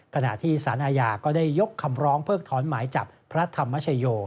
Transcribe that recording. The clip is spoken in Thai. ขณะที่สารอาญาก็ได้ยกคำร้องเพิกถอนหมายจับพระธรรมชโย